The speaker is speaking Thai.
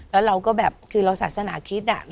แล้วเราก็แบบคือเราศาสนาคิด